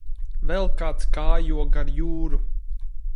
Vēl kāds kājo gar jūru.